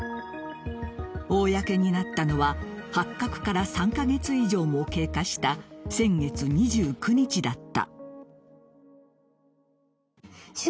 公になったのは発覚から３カ月以上も経過した先月２９日だった。